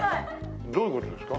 どういう事ですか？